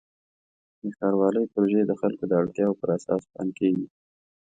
د ښاروالۍ پروژې د خلکو د اړتیاوو پر اساس پلان کېږي.